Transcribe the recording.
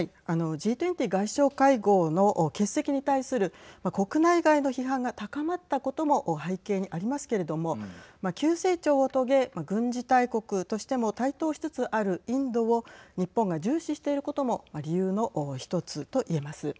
Ｇ２０外相会合の欠席に対する国内外の批判が高まったことも背景にありますけれども急成長を遂げ、軍事大国としても台頭しつつあるインドを日本が重視していることも理由の１つと言えます。